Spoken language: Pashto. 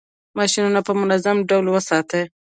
ماشینونه په منظم ډول وساتئ.